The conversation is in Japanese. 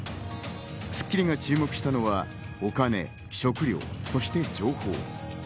『スッキリ』が注目したのはお金、食料、そして情報。